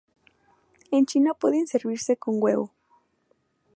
En China pueden servirse con huevo.